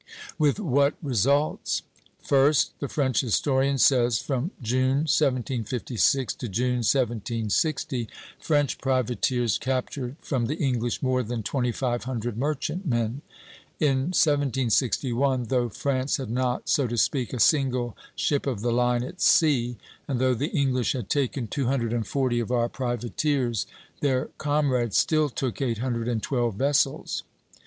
With what results? First, the French historian says: "From June, 1756, to June, 1760, French privateers captured from the English more than twenty five hundred merchantmen. In 1761, though France had not, so to speak, a single ship of the line at sea, and though the English had taken two hundred and forty of our privateers, their comrades still took eight hundred and twelve vessels.